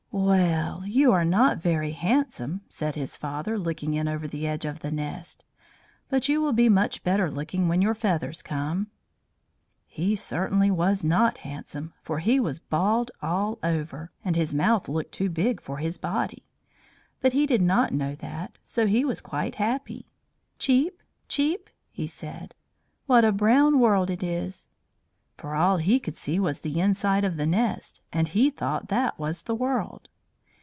"Well, you are not very handsome," said his father, looking in over the edge of the nest, "but you will be much better looking when your feathers come." He certainly was not handsome, for he was bald all over, and his mouth looked too big for his body. But he did not know that, so he was quite happy. "Cheep!" he said. "What a brown world it is!" For all he could see was the inside of the nest, and he thought that was the world.